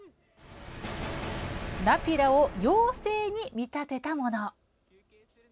ナピラを妖精に見立てたもの。